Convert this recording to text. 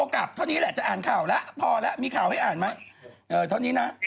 ครับผมตอนนี้อยู่ในรายการนะครับคุณอ้ำ